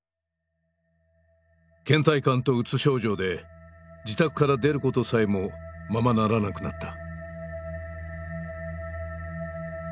けん怠感とうつ症状で自宅から出ることさえもままならなくなった。